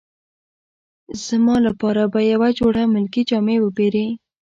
زما لپاره به یوه جوړه ملکي جامې وپیرې.